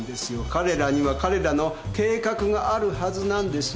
彼らには彼らの計画があるはずなんです。